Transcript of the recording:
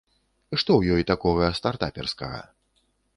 Што ў ёй такога стартаперскага?